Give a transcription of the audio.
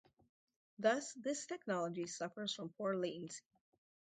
Thus, this technology suffers from poor latency.